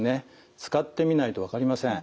使ってみないと分かりません。